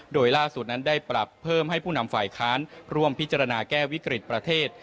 โดยล่าสุดนั้นได้ปรับเพิ่มให้ผู้นำฝ่ายค้านร่วมพิจารณาแก้วิกฤติประเทศ